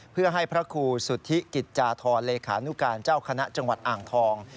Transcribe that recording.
เพื่อให้พระครูสุธิกิจจาธรเลขานุการเจ้าคณะจังหวัดอ่างทอง